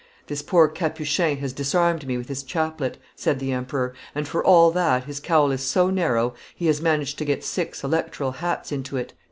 "This poor Capuchin has disarmed me with his chaplet," said the emperor, "and for all that his cowl is so narrow he has managed to get six electoral hats into it."